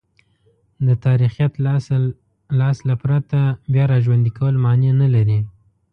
د تاریخیت له اصله پرته بیاراژوندی کول مانع نه لري.